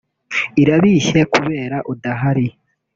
irabishye kubera udahari